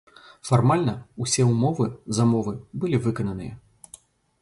Фармальна, усе ўмовы замовы былі выкананыя.